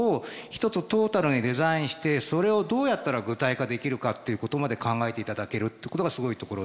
一つトータルにデザインしてそれをどうやったら具体化できるかっていうことまで考えていただけるってことがすごいところで。